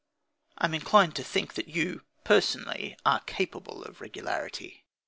I am inclined to think that you personally are capable of regularity.